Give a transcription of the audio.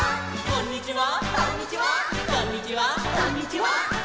「こんにちは」